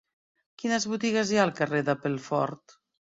Quines botigues hi ha al carrer de Pelfort?